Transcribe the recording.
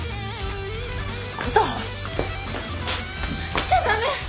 来ちゃ駄目。